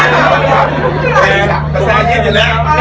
ขอบคุณค่ะ